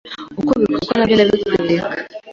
Uko bikorwa nabyo ndabikwereka